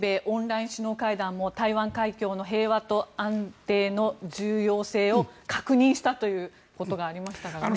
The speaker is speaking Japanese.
オンライン首脳会談も台湾海峡の平和と安定の重要性を確認したということがありましたもんね。